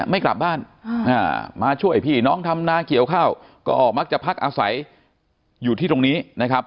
ไม่กลับบ้านมาช่วยพี่น้องทำนาเกี่ยวข้าวก็มักจะพักอาศัยอยู่ที่ตรงนี้นะครับ